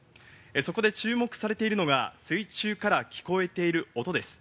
そこで注目されているのが水中から聞こえている音です。